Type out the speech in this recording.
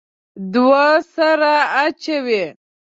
دوه سره اچوي.